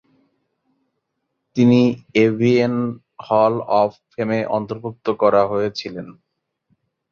তিনি AVN hall of ফেমে অন্তর্ভুক্ত করা হয়েছিলেন।